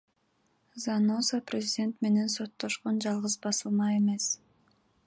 Заноза президент менен соттошкон жалгыз басылма эмес.